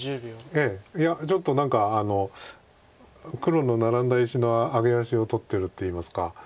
いやちょっと何か黒のナラんだ石の揚げ足を取ってるといいますか。